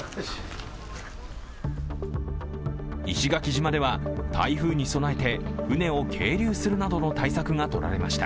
石垣島では台風に備えて、船を係留するなどの対策が取られました。